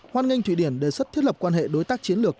hoan nghênh thụy điển đề xuất thiết lập quan hệ đối tác chiến lược